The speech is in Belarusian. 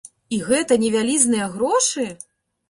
І гэта не вялізныя грошы!